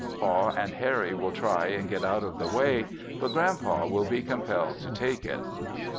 Pa and Harry will try and get out of the way, but Grand Pa will be compelled to take it.